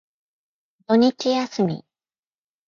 土日休み。